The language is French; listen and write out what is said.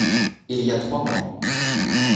Il y a trois mois.